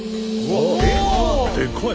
でかい！